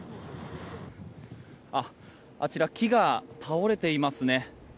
あちら木が倒れていますね。